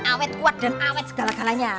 awet kuat dan awet segala galanya